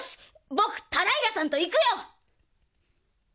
ぼくタライラさんといくよ！